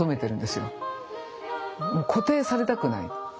もう固定されたくない。